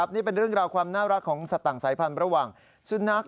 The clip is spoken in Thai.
เพราะว่าสุนัขเขาตัวใหญ่ไงครับคุณนะครับน้องแมวเขาตัวเล็กนิดเดียว